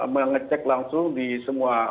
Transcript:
mengecek langsung di semua